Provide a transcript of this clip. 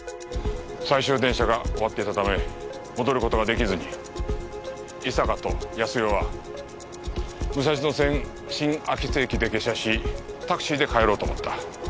最終電車が終わっていたため戻る事が出来ずに伊坂と康代は武蔵野線新秋津駅で下車しタクシーで帰ろうと思った。